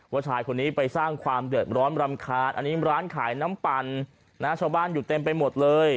ชายคนนี้ไปสร้างความเดือดร้อนรำคาญอันนี้ร้านขายน้ำปั่นนะชาวบ้านอยู่เต็มไปหมดเลย